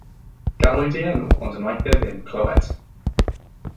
Galwyd ei enw ond wnaeth e ddim clywed.